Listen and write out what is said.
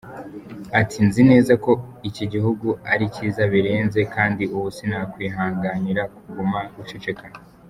Ati “Nzi neza ko iki gihugu ari cyiza birenze kandi ubu sinakwihanganira kuguma guceceka.